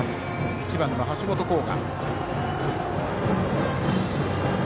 １番の橋本航河。